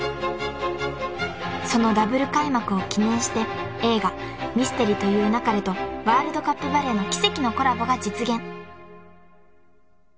［そのＷ開幕を記念して映画『ミステリと言う勿れ』とワールドカップバレーの奇跡のコラボが実現］